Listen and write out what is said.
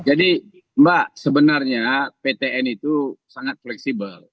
jadi mbak sebenarnya ptn itu sangat fleksibel